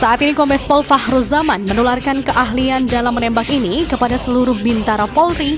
saat ini kombes pol fahruzaman menularkan keahlian dalam menembak ini kepada seluruh bintara polri